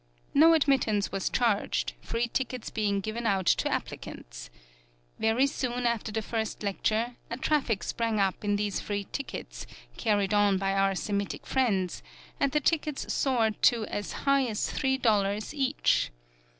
No admittance was charged, free tickets being given out to applicants. Very soon after the first lecture, a traffic sprang up in these free tickets, carried on by our Semitic friends, and the tickets soared to as high as three dollars each.